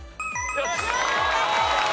正解です。